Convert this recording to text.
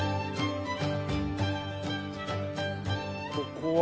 ここは？